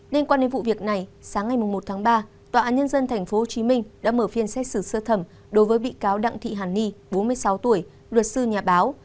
liên quan đến vụ việc này sáng ngày một tháng ba tòa án nhân dân tp hcm đã mở phiên xét xử sơ thẩm đối với bị cáo đặng thị hàn ni bốn mươi sáu tuổi luật sư nhà báo